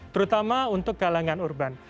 terutama untuk galangan urusan